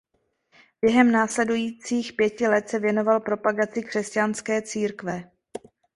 Během následujících pěti let se věnoval propagaci křesťanské církve.